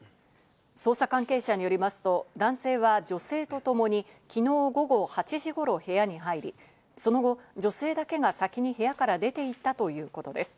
捜査関係者によりますと、男性は女性とともに昨日午後８時頃、部屋に入り、その後、女性だけが先に部屋から出ていったということです。